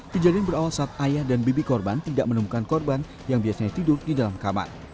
kejadian berawal saat ayah dan bibi korban tidak menemukan korban yang biasanya tidur di dalam kamar